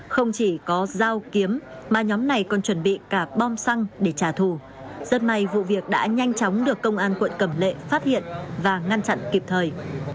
không chỉ có dao kiếm mà nhóm này còn chuẩn bị cả bom xăng để trả thù rất may vụ việc đã nhanh chóng được công an quận cẩm lệ phát hiện và ngăn chặn kịp thời